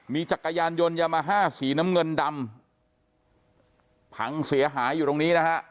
มีจักรยานยนต์ยามาฮ่าสีน้ำเงินดำพังเสียหายอยู่ตรงนี้นะฮะ